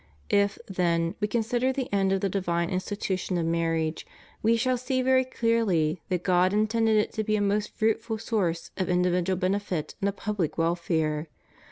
^ If, then, we consider the end of the divine institution of marriage, we shall see very clearly that God intended it to be a most fruitful source of individual benefit and of public welfare.